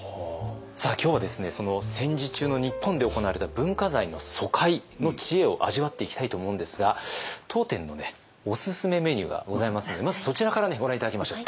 今日は戦時中の日本で行われた文化財の疎開の知恵を味わっていきたいと思うんですが当店のおすすめメニューがございますのでまずそちらからご覧頂きましょう。